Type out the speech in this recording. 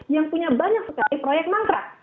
yang punya banyak sekali proyek mangkrak